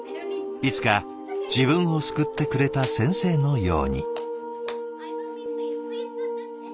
いつか自分を救ってくれた先生のように。